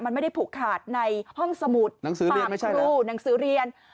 มันไม่ได้ผูกขาดในห้องสมุดหนังสือเรียน